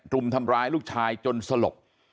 รุมทำร้ายลูกชายจนสลบ